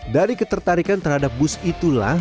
dari ketertarikan terhadap bus itulah